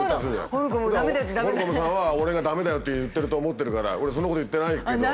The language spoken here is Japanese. ホルコムさんは俺が「駄目だよ」って言ってると思ってるから「俺そんなこと言ってない」って。